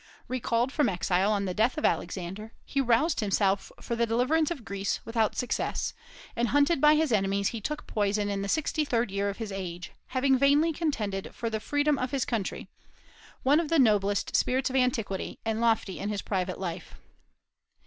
Recalled from exile on the death of Alexander, he roused himself for the deliverance of Greece, without success; and hunted by his enemies he took poison in the sixty third year of his age, having vainly contended for the freedom of his country, one of the noblest spirits of antiquity, and lofty in his private life.